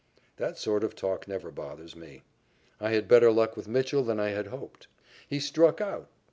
That sort of talk never bothers me. I had better luck with Mitchell than I had hoped. He struck out.